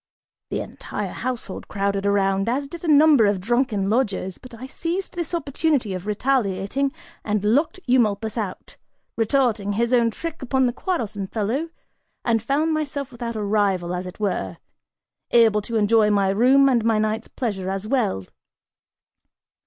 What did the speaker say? The entire household crowded around, as did a number of drunken lodgers, but I seized this opportunity of retaliating and locked Eumolpus out, retorting his own trick upon the quarrelsome fellow, and found myself without a rival, as it were, able to enjoy my room and my night's pleasure as well.